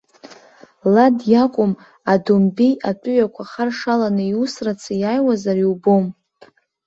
Лад иакәым, адоумбеи атәыҩақәа харшаланы иусрацы иааиуазар иубом.